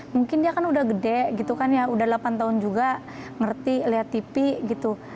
mungkin dia kan udah gede gitu kan ya udah delapan tahun juga ngerti lihat tv gitu